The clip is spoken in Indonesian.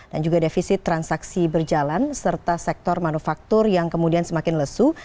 dan juga defisit transaksi berjalan serta sektor manufaktur yang kemudian semakin lesu